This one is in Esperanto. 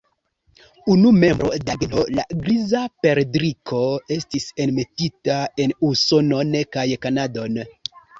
Unu membro de la genro, la Griza perdriko, estis enmetita en Usonon kaj Kanadon.